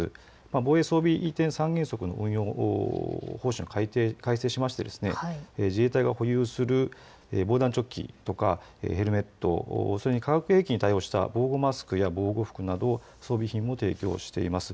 防衛装備移転三原則の運用方針を改定しまして自衛隊が保有する防弾チョッキとかヘルメット、それに化学兵器に対応した防護マスクや防護服などの装備品も提供しています。